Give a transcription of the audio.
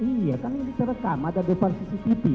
iya kan ini direkam ada depan cctv